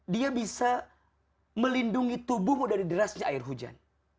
dia bisa melindungi tubuhmu dari derasnya air hujan